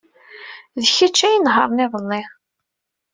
D kečč ay inehṛen iḍelli.